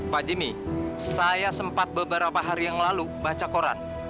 pak jimmy saya sempat beberapa hari yang lalu baca koran